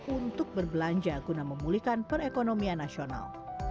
untuk berbelanja guna memulihkan perekonomian nasional